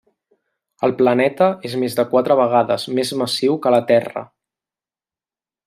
El planeta és més de quatre vegades més massiu que la Terra.